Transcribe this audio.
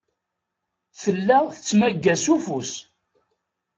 Tella tettmagga s ufus.